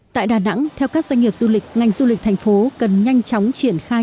tại đà nẵng theo các doanh nghiệp du lịch ngành du lịch thành phố cần nhanh chóng triển khai